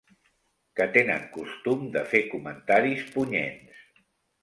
Que tenen costum de fer comentaris punyents.